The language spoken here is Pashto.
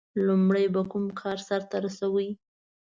• لومړی به کوم کار سر ته رسوي؟